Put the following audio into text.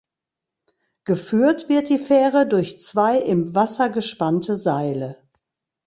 Geführt wird die Fähre durch zwei im Wasser gespannte Seile.